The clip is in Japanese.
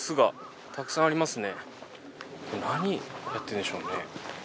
何やってるんでしょうね。